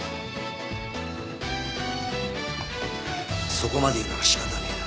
そこまで言うなら仕方ねえな。